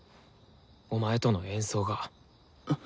お前との演奏が。